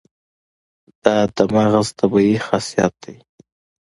دا د مغز طبیعي خاصیت دی.